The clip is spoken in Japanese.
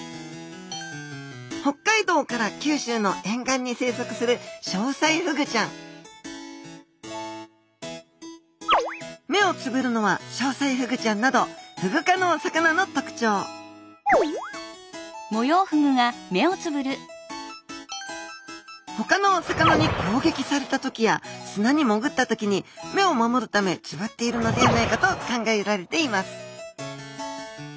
北海道から九州の沿岸に生息するショウサイフグちゃん目をつぶるのはショウサイフグちゃんなどフグ科のお魚の特徴ほかのお魚にこうげきされた時や砂にもぐった時に目を守るためつぶっているのではないかと考えられています